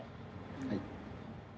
はい。